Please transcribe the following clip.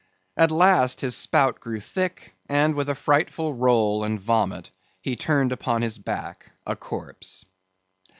At last his spout grew thick, and with a frightful roll and vomit, he turned upon his back a corpse.